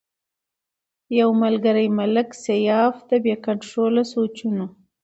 يو ملکري ملک سياف د بې کنټروله سوچونو